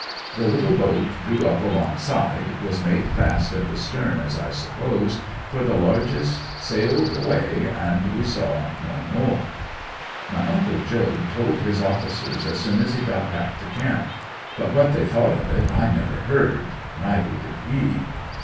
The little boat drew up alongside, was made fast at the stern as I suppose, for the largest sailed away, and we saw no more. 'My uncle Job told his officers as soon as he got back to camp; but what they thought of it I never heard—neither did he.